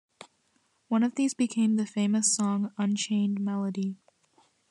One of these became the famous song, "Unchained Melody".